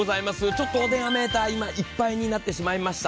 ちょっとお電話メーター、今、いっぱいになってしまいました。